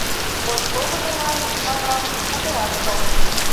Подкогыльылан, манам, путырак сылне.